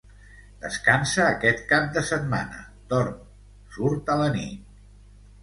Descansa aquest cap de setmana, dorm, surt a la nit...